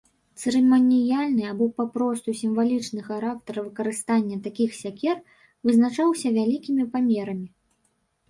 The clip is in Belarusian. Цырыманіяльны або папросту сімвалічны характар выкарыстання такіх сякер вызначаўся вялікімі памерамі.